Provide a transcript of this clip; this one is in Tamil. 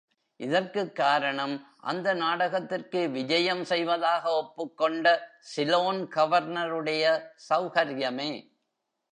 இதற்குக் காரணம், அந்த நாடகத்திற்கு விஜயம் செய்வதாக ஒப்புக்கொண்ட சிலோன் கவர்னருடைய சௌகர்யமே.